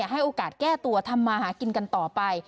ให้โอกาสแก้ตัวทำมาหากินกันต่อไป